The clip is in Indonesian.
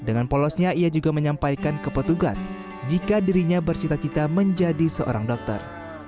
dengan polosnya ia juga menyampaikan ke petugas jika dirinya bercita cita menjadi seorang dokter